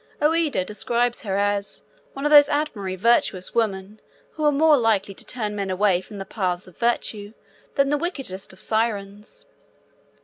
Ouida describes her as 'one of those admirably virtuous women who are more likely to turn men away from the paths of virtue than the wickedest of sirens.'